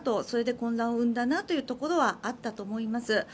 それで混乱を生んだなというところはあったと思います。